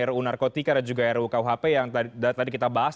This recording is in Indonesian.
ruu narkotika dan juga rukuhp yang tadi kita bahas